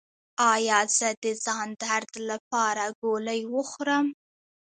ایا زه د ځان درد لپاره ګولۍ وخورم؟